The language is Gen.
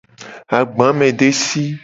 Agbamedesi.